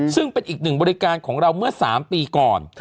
ซึ่งเป็นอีกหนึ่งบริการของเราเมื่อ๓ปีก่อน